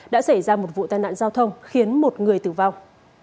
đã xảy ra một vụ tai nạn giao thông khiến một người tử vong